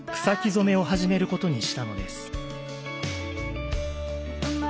染めを始めることにしたのです。